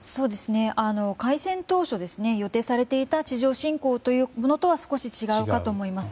開戦当初、予定されていた地上侵攻とは少し違うかと思います。